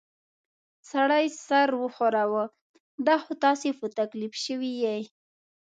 سړي سر وښوراوه: دا خو تاسې په تکلیف شوي ییۍ.